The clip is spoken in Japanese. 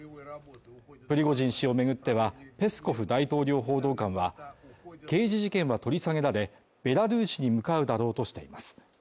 プリゴジン氏を巡っては、ペスコフ大統領報道官は刑事事件は取り下げられベラルーシに向かうだろうとしています。